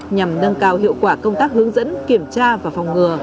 nhằm nâng cao hiệu quả công tác hướng dẫn kiểm tra và phòng ngừa